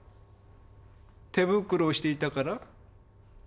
手袋をしていたから？